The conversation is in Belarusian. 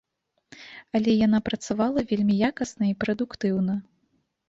Але яна працавала вельмі якасна і прадуктыўна.